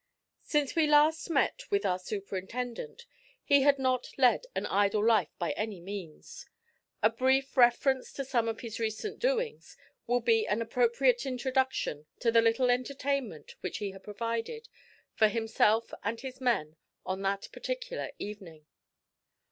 Since we last met with our superintendent, he had not led an idle life by any means. A brief reference to some of his recent doings will be an appropriate introduction to the little entertainment which he had provided for himself and his men on that particular evening.